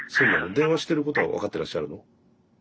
電話してることは分かってらっしゃるの？